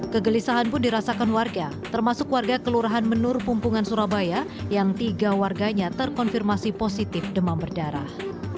kegelisahan pun dirasakan warga termasuk warga kelurahan menur pumpungan surabaya yang tiga warganya terkonfirmasi positif demam berdarah